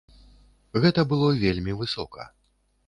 Гэта было вельмі высока.